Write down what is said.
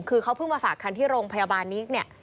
คือเขาเพิ่งมาฝากคันที่โรงพยาบาลนิกเนี่ย